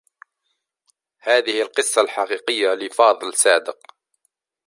هذه القصّة الحقيقيّة لفاضل صادق.